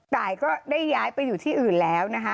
ตายก็ได้ย้ายไปอยู่ที่อื่นแล้วนะคะ